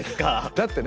だってね